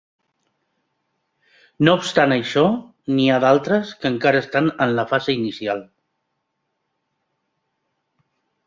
No obstant això, n'hi ha d'altres que encara estan en la fase inicial.